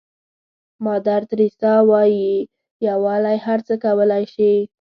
مادر تریسا وایي یووالی هر څه کولای شي.